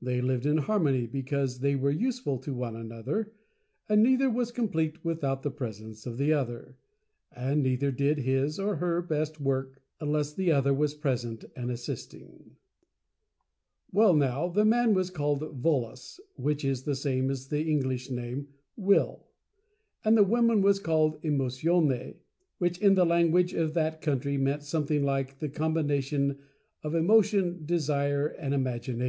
They Lived in Harmony, because they were Useful to One Another, and neither was complete without the pres ence of the Other — and neither did his or her Best Work, unless the Other was present and assisting. VOLOS AND EMOTIONE. Well, now, the Man was called "Volos" (which is the same as the English name "Will"), and the Woman was called "Emotione," which in the language of that country meant something like a combination of Emotion, Desire and Imagination.